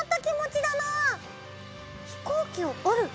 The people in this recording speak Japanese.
「飛行機を折る」